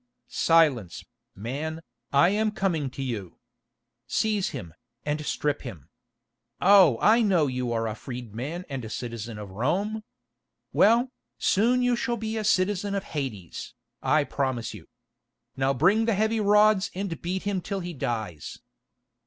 "Silence, man, I am coming to you. Seize him, and strip him. Oh! I know you are a freedman and a citizen of Rome. Well, soon you shall be a citizen of Hades, I promise you. Now, bring the heavy rods and beat him till he dies."